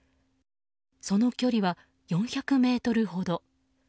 その距離は４００ｍほど。